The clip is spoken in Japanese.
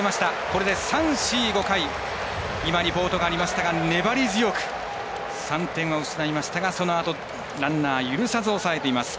これで３、４、５回リポートがありましたが粘り強く３点は失いましたがそのあと、ランナー許さず抑えています。